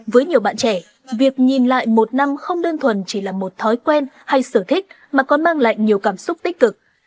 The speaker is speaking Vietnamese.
với nhiều bạn trẻ việc nhìn lại một năm không đơn thuần chỉ là một thói quen hay sở thích mà còn mang lại nhiều cảm xúc tích cực